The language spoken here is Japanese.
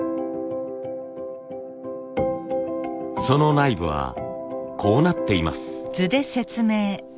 その内部はこうなっています。